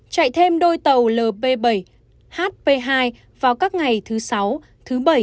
chạy thêm đôi tàu lp bảy hp hai vào các ngày thứ sáu thứ bảy